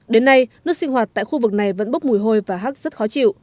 đến nay nước sinh hoạt tại khu vực này vẫn bốc mùi hôi và hắc rất khó chịu